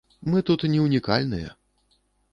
Мы тут не ўнікальныя.